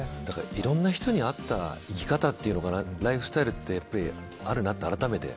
いろんな人に合った生き方っていうのかなライフスタイルってあるなって改めて。